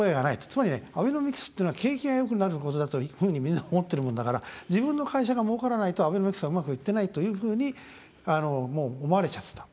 つまりアベノミクスっていうのは景気がよくなることだというふうにみんな思ってるもんだから自分の会社が、もうからないとアベノミクスはうまくいってない、というふうにもう思われちゃっていた。